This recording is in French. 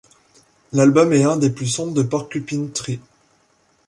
L'album est un des plus sombres de Porcupine Tree.